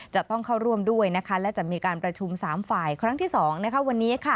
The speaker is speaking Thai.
จะต้องเข้าร่วมด้วยและจะมีการประชุม๓ฝ่ายครั้งที่๒วันนี้